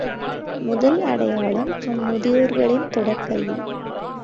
முதல் அடையாளம் அம்முதியோர்களின் தொடர் கல்வி.